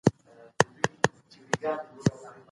احسان الله غروب عزت الله اميد